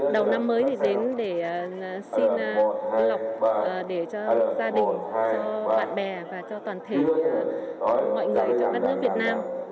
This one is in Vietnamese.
đầu năm mới thì đến để xin lọc để cho gia đình cho bạn bè và cho toàn thể mọi người cho đất nước việt nam